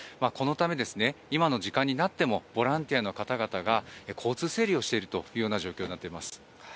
このため、今の時間になってもボランティアの方々が交通整理をしているという状況になっています。